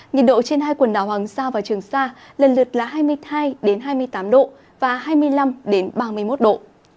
nhiệt độ trên hai quần đảo hoàng sa và trường sa lần lượt là hai mươi hai hai mươi tám độ và hai mươi năm ba mươi một độ